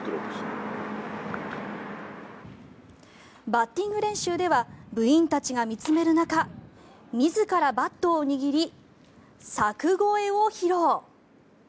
バッティング練習では部員たちが見つめる中自らバットを握り柵越えを披露。